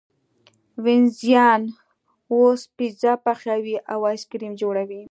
وینزیان اوس پیزا پخوي او ایس کریم جوړوي.